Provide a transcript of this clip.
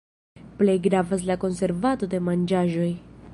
Plej gravas la konservado de manĝaĵoj.